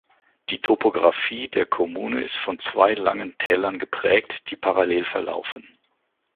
Die Topographie der Kommune ist von zwei langen Tälern geprägt, die parallel verlaufen.